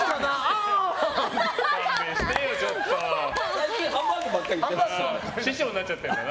最近ハンバーグばっかり言ってますから。